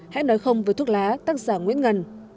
hãy nói không với thuốc lá tác giả nguyễn ngân